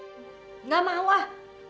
enggak mau ah